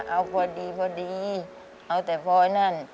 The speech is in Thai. เอาพอดีเอาแต่พ่อนั่น